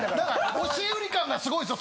押し売り感がすごいんすよ